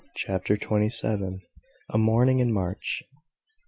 CHAPTER TWENTY SEVEN. A MORNING IN MARCH.